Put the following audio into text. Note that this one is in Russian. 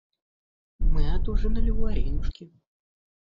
Мы отужинали у Аринушки.